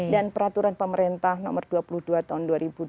dan peraturan pemerintah nomor dua puluh dua tahun dua ribu dua puluh satu